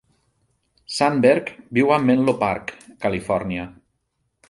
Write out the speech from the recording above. Sandberg viu al Menlo Park, Califòrnia.